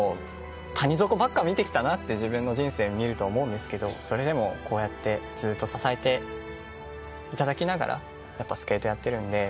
谷底ばっか見てきたなって自分の人生見ると思うんですがそれでもこうやってずっと支えていただきながらスケートやってるんで。